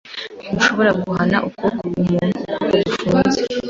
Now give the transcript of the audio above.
Ntushobora guhana ukuboko umuntu ukuboko gufunze.